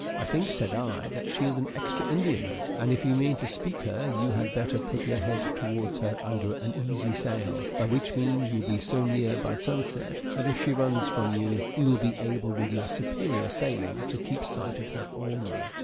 "I think," said I, "that she is an extra Indiaman, and if you mean to speak her, you had better put your head towards her under an easy sail; by which means you will be so near by sunset, that if she runs from you, you will be able, with your superior sailing, to keep sight of her all night."